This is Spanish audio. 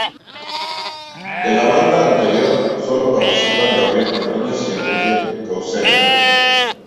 De la banda anterior solo participaban Gabriel Fernández y Enrique Couselo.